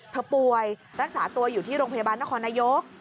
ป่วยรักษาตัวอยู่ที่โรงพยาบาลนครนายก